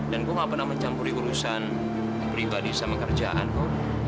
dan gue gak pernah mencampuri urusan pribadi sama kerjaan kok